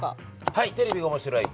「はいテレビが面白い。